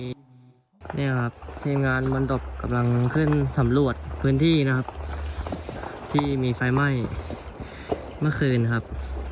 นี่ครับทีมงานมนตบกำลังขึ้นสำรวจพื้นที่นะครับที่มีไฟไหม้เมื่อคืนครับ